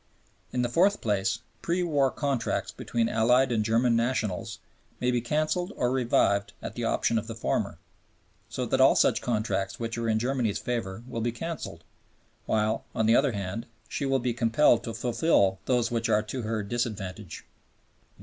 In the fourth place, pre war contracts between Allied and German nationals may be canceled or revived at the option of the former, so that all such contracts which are in Germany's favor will be canceled, while, on the other hand, she will be compelled to fulfil those which are to her disadvantage.